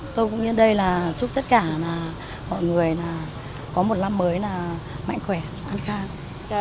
tôi cũng như đây là chúc tất cả mọi người có một năm mới mạnh khỏe an khang